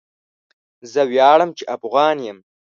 زه وياړم چي افغان یم